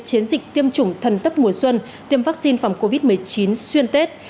chiến dịch tiêm chủng thần tấp mùa xuân tiêm vaccine phòng covid một mươi chín xuyên tết